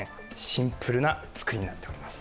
シンプルな造りになっています。